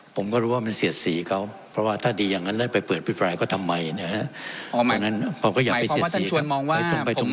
ผมก็รู้ว่ามันเสียดสีเขาเพราะว่าถ้าดีอย่างนั้นแล้วไปเปิดพิปรายก็ทำไมนะฮะ